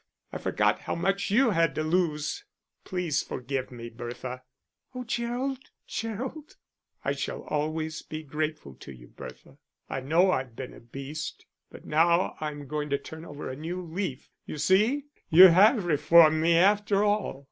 I forgot how much you had to lose. Please forgive me, Bertha." "Oh, Gerald, Gerald." "I shall always be grateful to you, Bertha. I know I've been a beast, but now I'm going to turn over a new leaf. You see, you have reformed me after all."